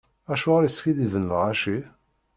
Acuɣer iskiddiben lɣaci?